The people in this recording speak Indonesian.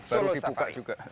solo safari baru dibuka juga